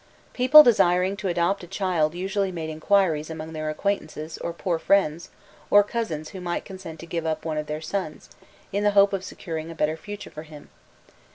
People desiring to adopt a child usually made inquiries among their acquaintances, or poor friends, or cousins who might consent to give up one of their sons, in the hope of securing a better future for him.